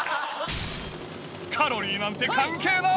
カロリーなんて関係ない！